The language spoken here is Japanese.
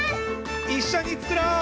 いっしょにつくろう！